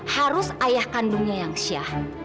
harus ayah kandungnya yang syah